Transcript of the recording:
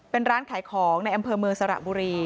เป็นร้านขายของในอำเภอเมืองสระบุรี